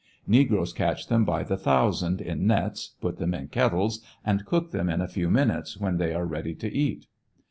Negroes catch them by the thousand, in nets, put them in kettles, and cook them a few minutes, when they are ready to eat.